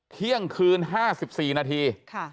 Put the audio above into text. เที่ยงคืน๕๔นาที